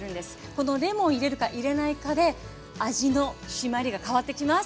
このレモンを入れるか入れないかで味のしまりが変わってきます。